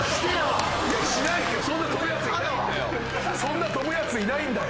そんなとぶやついないんだよ。